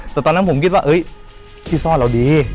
แต่ตอนนั้นผมคิดว่าที่ซ่อนเราดี